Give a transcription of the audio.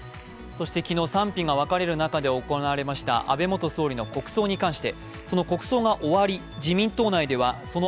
そして昨日、賛否が分かれる中で行われました、安倍元総理の国葬に関して。